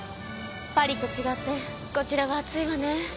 パリと違ってこちらは暑いわね。